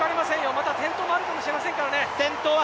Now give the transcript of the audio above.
また転倒があるかもしれませんからね。